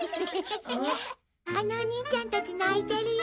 あのお兄ちゃんたち泣いてるよ。